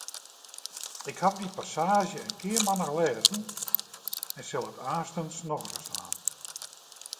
Ik haw dy passaazje in kearmannich lêzen en sil it aanstens noch ris dwaan.